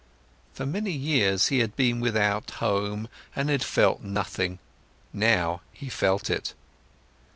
For many years, he had been without home and had felt nothing. Now, he felt it.